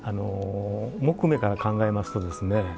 木目から考えますとですね